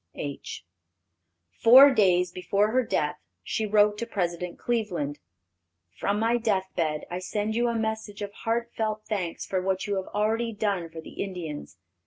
H." Four days before her death she wrote to President Cleveland: "From my death bed I send you a message of heart felt thanks for what you have already done for the Indians.